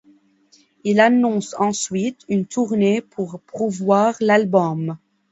Il annonce ensuite une tournée pour promouvoir l'album.